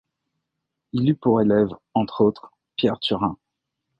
Il eut pour élève, entre autres, Pierre Turin.